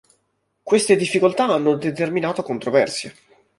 Queste difficoltà hanno determinato controversie.